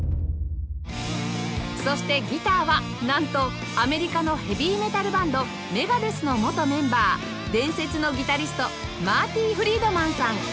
そしてギターはなんとアメリカのヘビーメタルバンド ＭＥＧＡＤＥＴＨ の元メンバー伝説のギタリストマーティ・フリードマンさん